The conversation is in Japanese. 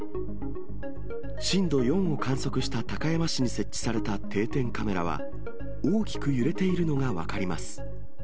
震度４を観測した高山市に設置された定点カメラは、大きく揺れているのが分かります。